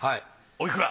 おいくら？